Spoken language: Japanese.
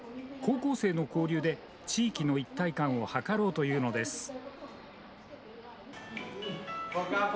高校生の交流で地域の一体感を図ろうというのです。